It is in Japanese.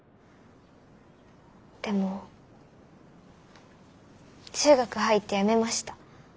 でも中学入ってやめました。